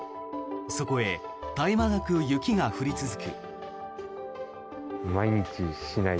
そこへ絶え間なく雪が降り続く。